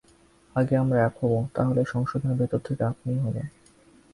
আগে আমরা এক হব তা হলেই সংশোধন ভিতর থেকে আপনিই হবে।